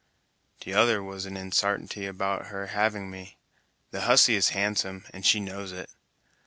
"T'other was an insartainty about her having me. The hussy is handsome, and she knows it.